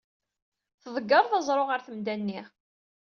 Tḍeggred aẓru ɣer temda-nni.